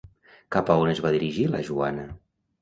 Cap a on es va dirigir la Joana?